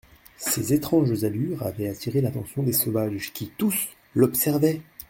Ses étranges allures avaient attiré l'attention des sauvages, qui, tous, l'observaient.